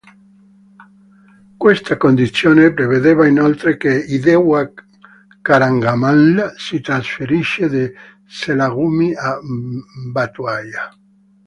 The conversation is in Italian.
Questa condizione prevedeva inoltre che I Dewa Karangamla si trasferisse da Selagumi a Batuaya.